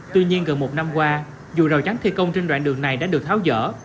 tuy nhiên gần một năm qua dù rào chắn thi công trên đoạn đường này đã được tháo rỡ